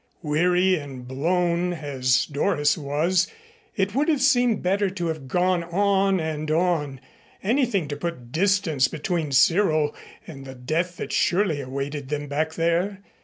Weary and blown as Doris was, it would have seemed better to have gone on and on anything to put distance between Cyril and the death that surely awaited them back there.